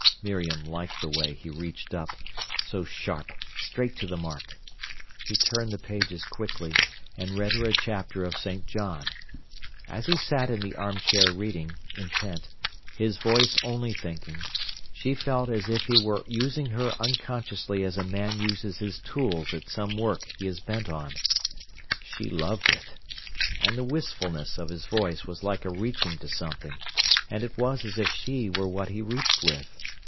Miriam liked the way he reached up—so sharp, straight to the mark. He turned the pages quickly, and read her a chapter of St. John. As he sat in the armchair reading, intent, his voice only thinking, she felt as if he were using her unconsciously as a man uses his tools at some work he is bent on. She loved it. And the wistfulness of his voice was like a reaching to something, and it was as if she were what he reached with.